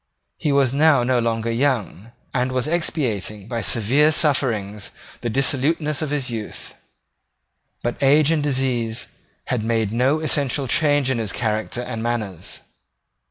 He was now no longer young, and was expiating by severe sufferings the dissoluteness of his youth: but age and disease had made no essential change in his character and manners.